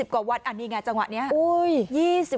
๒๐กว่าวันนี่ไงจังหวะนี้